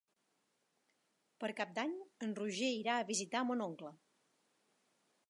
Per Cap d'Any en Roger irà a visitar mon oncle.